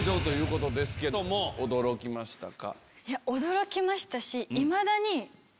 驚きましたか？